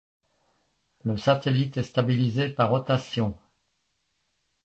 Le satellite est stabilisé par rotation.